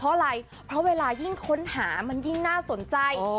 เพราะอะไรเพราะเวลายิ่งค้นหามันยิ่งน่าสนใจ